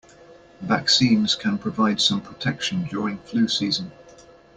Vaccines can provide some protection during flu season.